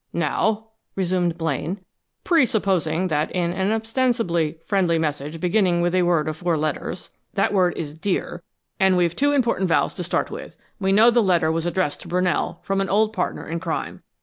] "Now," resumed Blaine, "presupposing that in an ostensibly friendly message beginning with a word of four letters, that word is dear, and we've two important vowels to start with. We know the letter was addressed to Brunell, from an old partner in crime.